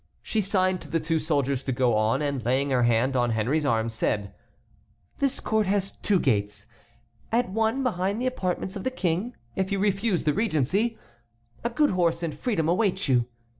She signed to the two soldiers to go on, and laying her hand on Henry's arm, said: "This court has two gates. At one, behind the apartments of the King, if you refuse the regency, a good horse and freedom await you.